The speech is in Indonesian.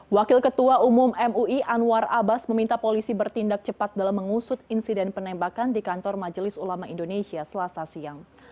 wakil ketua umum mui anwar abbas meminta polisi bertindak cepat dalam mengusut insiden penembakan di kantor majelis ulama indonesia selasa siang